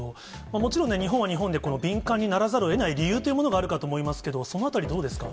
もちろん日本は日本で敏感にならざるをえない理由というものがあるかと思いますけれども、そのあたりどうですか？